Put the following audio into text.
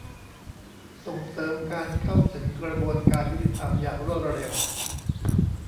ส่งเสริมการเข้าถึงกระบวนการยุติธรรมอย่างรวดเร็ว